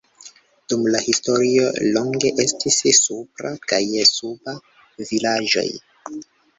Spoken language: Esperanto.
Dum la historio longe estis "Supra" kaj "Suba" vilaĝoj.